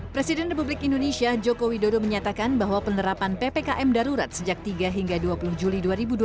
presiden republik indonesia joko widodo menyatakan bahwa penerapan ppkm darurat sejak tiga hingga dua puluh juli dua ribu dua puluh